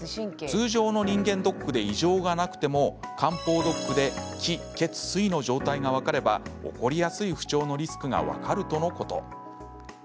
通常の人間ドックで異常がなくても漢方ドックで気・血・水の状態が分かれば起こりやすい不調のリスクが分かるとのこと。